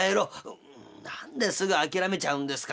「何ですぐ諦めちゃうんですか。